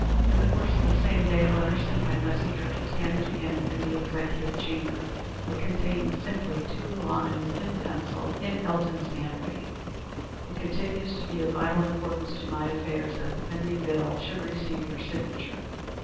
In the course of the same day a letter sent by messenger was handed to him in the executive chamber. It contained simply two lines in pencil in Elton's handwriting "It continues to be of vital importance to my affairs that the pending bill should receive your signature."